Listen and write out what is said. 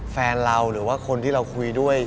แฟนเราหรือว่าคนที่เราคุยด้วย